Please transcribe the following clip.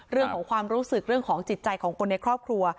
เรื่องของความรู้สึกเรื่องของจิตใจของคนในครอบครัว